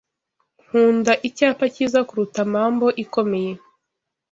Nkunda icyapa cyiza kuruta marble ikomeye